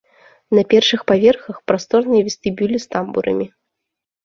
На першых паверхах прасторныя вестыбюлі з тамбурамі.